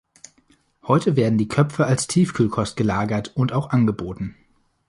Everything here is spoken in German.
Heute werden die Köpfe als Tiefkühlkost gelagert und auch angeboten.